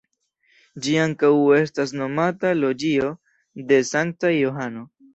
Ĝi ankaŭ estas nomata Loĝio de Sankta Johano.